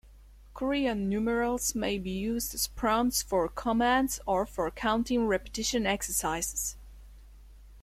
Korean numerals may be used as prompts for commands or for counting repetition exercises.